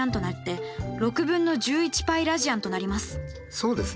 そうですね。